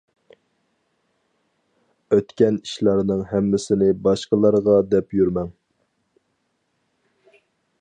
ئۆتكەن ئىشلارنىڭ ھەممىسىنى باشقىلارغا دەپ يۈرمەڭ.